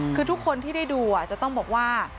คือทุกคนที่ได้ดูจะต้องบอกว่า